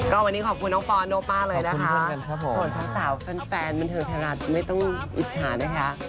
ก็วันนี้ขอบคุณน้องปอนโอป้าเลยนะคะส่วนสาวแฟนบันเทิงไทยรัฐไม่ต้องอิจฉานะคะ